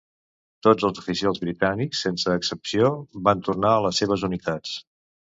Tots els oficials britànics, sense excepció, van tornar a les seves unitats.